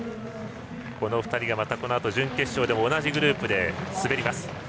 この２人がまたこのあと準決勝でも同じグループで滑ります。